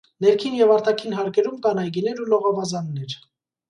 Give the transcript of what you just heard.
Ներքին և արտաքին հարկերում կան այգիներ ու լողավազաններ։